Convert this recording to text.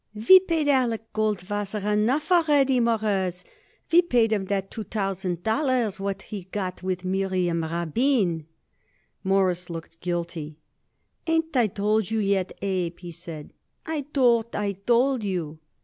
We paid Alec Goldwasser enough already, Mawruss. We paid him that two thousand dollars what he got with Miriam Rabin." Morris looked guilty. "Ain't I told you yet, Abe?" he said. "I thought I told you."